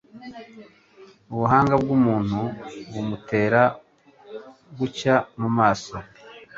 ubuhanga bw'umuntu bumutera gucya mu maso